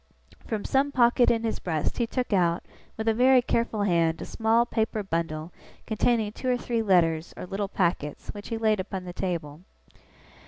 From some pocket in his breast, he took out, with a very careful hand a small paper bundle containing two or three letters or little packets, which he laid upon the table.